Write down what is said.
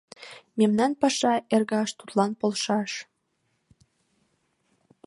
Мемнан паша, эргаш, тудлан полшаш.